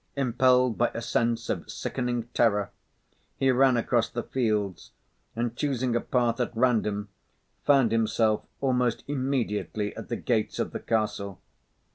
Impelled by a sense of sickening terror, he ran across the fields, and choosing a path at random, found himself almost immediately at the gates of the castle.